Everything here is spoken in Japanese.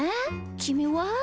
きみは？